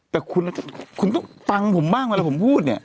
แต่คุณต้องฟังผมบ้างเวลาผมพูดเนี่ย